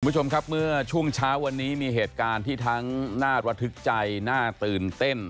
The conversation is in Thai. คุณผู้ชมครับเมื่อช่วงเช้าวันนี้มีเหตุการณ์ที่ทั้งน่าระทึกใจน่าตื่นเต้น